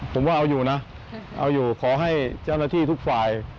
ผมว่าเอาอยู่นะเอาอยู่ขอให้เจ้าหน้าที่ทุกฝ่าย